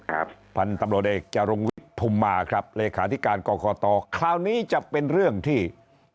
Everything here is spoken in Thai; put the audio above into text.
ครับพันธุ์ตำรวจเอกจารงวิทย์พุมมาครับเลขาธิการกรกตคราวนี้จะเป็นเรื่องที่กรกตจะต้องปวดหัวมาก